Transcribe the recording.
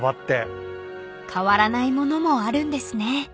［変わらない物もあるんですね］